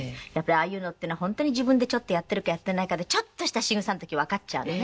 ああいうのっていうのは本当に自分でちょっとやってるかやってないかでちょっとしたしぐさの時わかっちゃうのね。